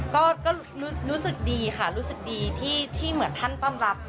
ก็รู้สึกดีค่ะรู้สึกดีที่เหมือนท่านต้อนรับ